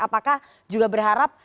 apakah juga berharap